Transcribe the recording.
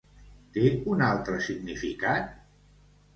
Té un altre significat?